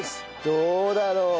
どうだろう？